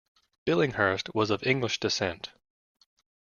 Billinghurst was of English descent.